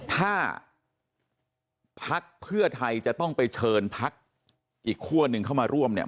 ถ้าพักเพื่อไทยจะต้องไปเชิญพักอีกคั่วหนึ่งเข้ามาร่วมเนี่ย